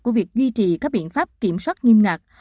của việc duy trì các biện pháp kiểm soát nghiêm ngặt